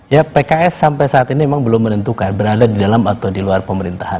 ya pks sampai saat ini memang belum menentukan berada di dalam atau di luar pemerintahan